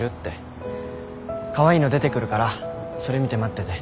カワイイの出てくるからそれ見て待ってて。